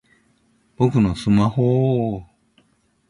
僕のスマホぉぉぉ！